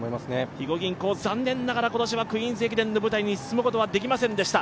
肥後銀行、残念ながら今年はクイーンズ駅伝の舞台に進むことはできませんでした。